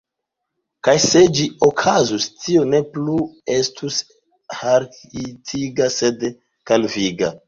Kaj se ĝi okazus, tio ne plu estus harhirtiga, sed kalviga.